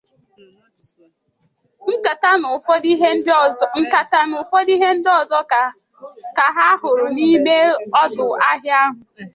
nkàtà na ụfọdụ ihe ndị ọzọ ka ha hụtara n'ime ọdụ ahịa ahụ.